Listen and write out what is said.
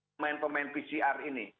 pemain pemain pcr ini